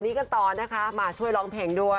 นี้กันต่อนะคะมาช่วยร้องเพลงด้วย